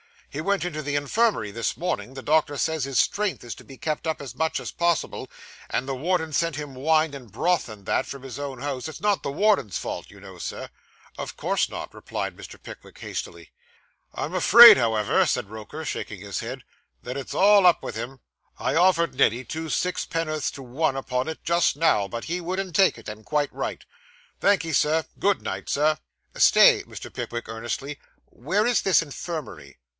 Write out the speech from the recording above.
He went into the infirmary, this morning; the doctor says his strength is to be kept up as much as possible; and the warden's sent him wine and broth and that, from his own house. It's not the warden's fault, you know, sir.' 'Of course not,' replied Mr. Pickwick hastily. 'I'm afraid, however,' said Roker, shaking his head, 'that it's all up with him. I offered Neddy two six penn'orths to one upon it just now, but he wouldn't take it, and quite right. Thank'ee, Sir. Good night, sir.' 'Stay,' said Mr. Pickwick earnestly. 'Where is this infirmary?